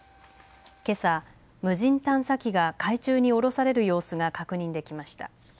けさ無人探査機が海中に下ろされる様子が確認できました。